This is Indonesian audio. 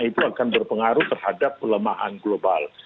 itu akan berpengaruh terhadap pelemahan global